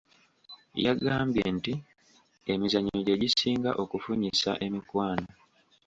Yagambye nti emizannyo gye gisinga okufunyisa emikwano.